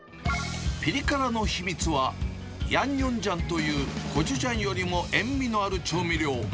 ピリ辛の秘密は、ヤンニョンジャンというコチュジャンよりも塩味のある調味料。